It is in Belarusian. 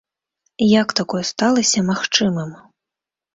Як такое сталася магчымым?